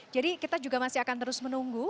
jadi kita juga masih akan terus menunggu